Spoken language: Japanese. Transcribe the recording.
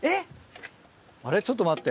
あれちょっと待って。